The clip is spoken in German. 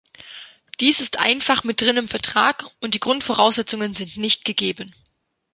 Dies ist einfach mit drin im Vertrag, und die Grundvoraussetzungen sind nicht gegeben.